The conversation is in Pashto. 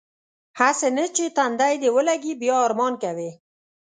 هسې نه چې تندی دې ولږي بیا ارمان کوې.